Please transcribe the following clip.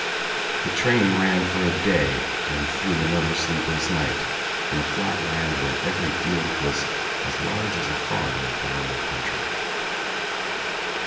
The train ran for a day and through another sleepless night in a flat land where every field was as large as a farm in her own country.